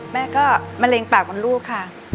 แม่ก็มะเร็งปากบนลูกค่ะ